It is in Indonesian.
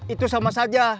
itu sama saja